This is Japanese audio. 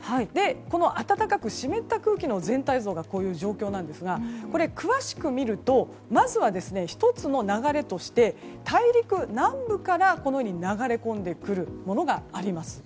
この暖かく湿った空気の全体像がこういう状況なんですが詳しく見るとまずは１つの流れとして大陸南部から、このように流れ込んでくるものがあります。